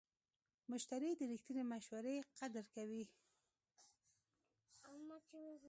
مشتری د رښتینې مشورې قدر کوي.